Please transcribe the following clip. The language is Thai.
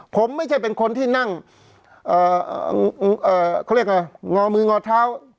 ผมไม่ใช่เป็นคนที่นั่งเขาเรียกไงงอมืองอเท้า